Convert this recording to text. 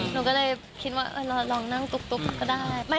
หนูก็เลยคิดว่าลองนั่งตุ๊กก็ได้